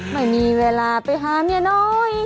ไม่มีเวลาไปหาเมียน้อย